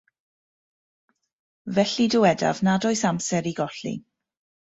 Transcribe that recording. Felly dywedaf nad oes amser i golli.